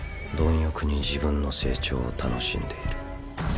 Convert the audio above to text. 貪欲に自分の成長を楽しんでいる。